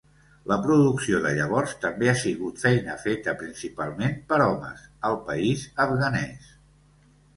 La producció de llavors també ha sigut feina feta principalment per homes al país afganès.